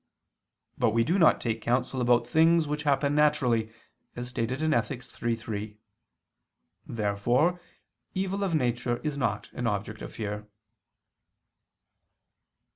But we do not take counsel about things which happen naturally, as stated in Ethic. iii, 3. Therefore evil of nature is not an object of fear.